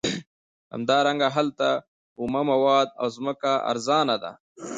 همدارنګه هلته اومه مواد او ځمکه ارزانه ده